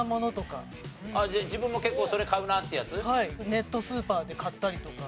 ネットスーパーで買ったりとか。